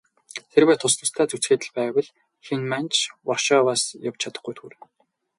Хэрвээ тус тусдаа зүтгээд л байвал хэн маань ч Варшаваас явж чадахгүйд хүрнэ.